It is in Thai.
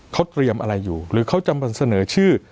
เขาเตรียมอะไรอยู่หรือเขาจะมาเสนอชื่อ